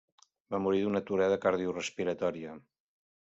Va morir d'una aturada cardiorespiratòria.